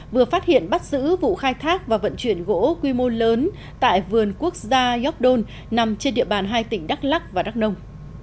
vừa phát hiện bắt giữ vụ khai thác và vận chuyển gỗ quy mô lớn tại vườn quốc gia york don nằm trên địa bàn hai tỉnh đắk lắc và đắk nông